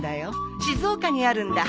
静岡にあるんだ。